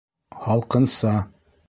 Һалҡынса.